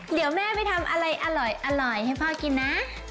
เดี๋ยวแม่ไปทำอะไรอร่อยให้พ่อกินนะ